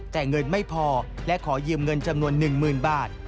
แต่เงินไม่พอและขอยืมเงินจำนวน๑๐๐๐บาท